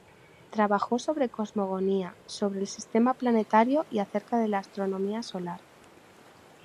Trabajó sobre cosmogonía, sobre el sistema planetario y acerca de la astronomía solar.